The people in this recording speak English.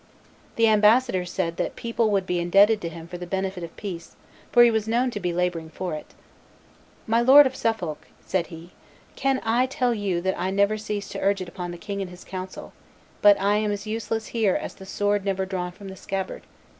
The ambassadors said that people would be indebted to him for the benefit of peace, for he was known to be laboring for it. "My Lord of Suffolk," said he, "can tell you that I never cease to urge it upon the king and his council; but I am as useless here as the sword never drawn from the scabbard.